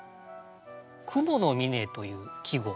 「雲の峰」という季語。